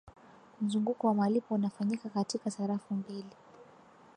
mzunguko wa malipo unafanyika katika sarafu mbili